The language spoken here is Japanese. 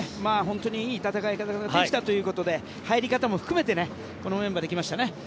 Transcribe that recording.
本当に、いい戦い方ができたということで入り方も含めてこのメンバーで来ましたね。